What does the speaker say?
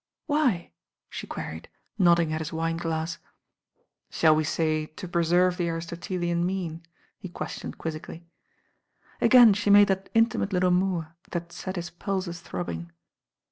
I'Why?" she queried, nodding at his wine glass, bhall we say to preserve the Aristotelean mean ?" he questioned quizzically. Again she made that intimate little moue that set his pulses throbbing.